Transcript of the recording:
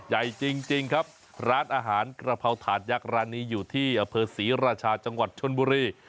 ใหญ่จริงครับร้านอาหารกระเพราถาดยักษ์ร้านนี้อยู่ที่อำเภอศรีราชาจังหวัดชนบุรี